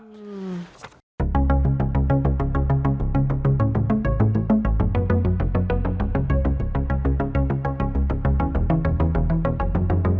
โปรดติดตามตอนต่อไป